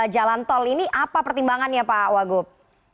jalan tol ini apa pertimbangannya pak wagub